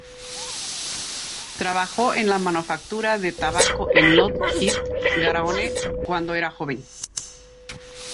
Trabajó en la manufactura de tabaco en Lot-et-Garonne cuando era joven.